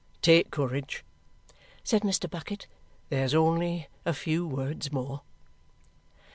"Take courage," said Mr. Bucket. "There's only a few words more."